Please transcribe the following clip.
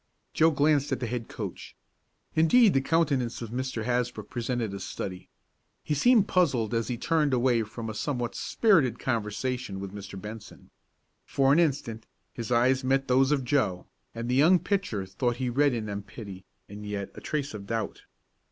Joe glanced at the head coach. Indeed the countenance of Mr. Hasbrook presented a study. He seemed puzzled as he turned away from a somewhat spirited conversation with Mr. Benson. For an instant his eyes met those of Joe, and the young pitcher thought he read in them pity, and yet a trace of doubt.